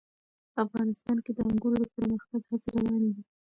افغانستان کې د انګورو د پرمختګ هڅې روانې دي.